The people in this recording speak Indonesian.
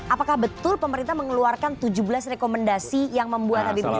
apakah betul pemerintah mengeluarkan tujuh belas rekomendasi yang membuat habib rizik